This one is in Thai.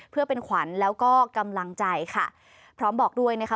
เพื่อเป็นขวัญแล้วก็กำลังใจค่ะพร้อมบอกด้วยนะคะ